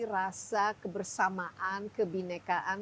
rasa kebersamaan kebhinnekaan